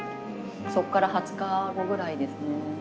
そこから２０日後ぐらいですね。